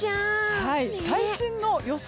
最新の予想